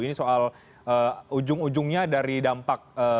ini soal ujung ujungnya dari dampak